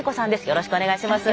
よろしくお願いします。